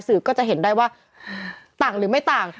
ก็จะเห็นได้ว่าต่างหรือไม่ต่าง